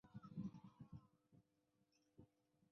明矾石属于硫酸盐矿物。